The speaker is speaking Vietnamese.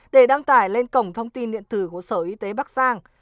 để đăng tải lên cổng thông tin điện tử của sở y tế bắc giang